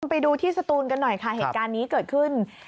ไปดูที่สตูนกันหน่อยค่ะเหตุการณ์นี้เกิดขึ้น